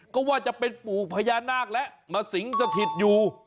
ก็ว่าจะเป็นปู่พญานาคแล้วมาสิงสถิตอยู่